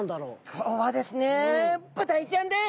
今日はですねブダイちゃんです。